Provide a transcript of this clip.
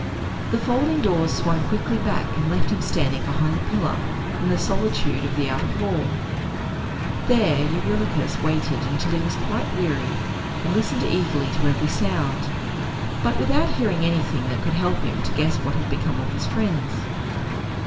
The folding doors swung quickly back, and left him standing behind the pillar, in the solitude of the outer hall. There Eurylochus waited until he was quite weary, and listened eagerly to every sound, but without hearing anything that could help him to guess what had become of his friends.